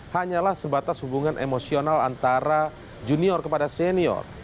hanyalah sebatas hubungan emosional antara junior kepada senior